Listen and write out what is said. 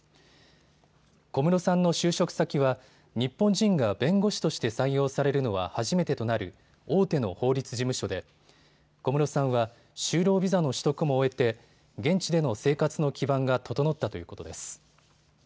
小室さんの就職先は日本人が弁護士として採用されるのは初めてとなる大手の法律事務所で小室さんは就労ビザの取得も終えて現地での生活の基盤が整ったということです。